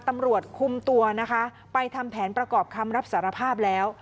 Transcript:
ตำรวจคุมตัวนะคะไปทำแผนประกอบคำรับสารภาพแล้ว